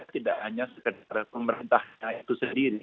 tidak hanya sekedar pemerintahnya itu sendiri